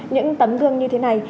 những tấm gương như thế này